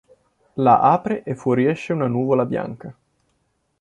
La apre e fuoriesce una nuvola bianca.